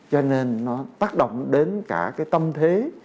cho nên nó tác động đến cả cái tâm thế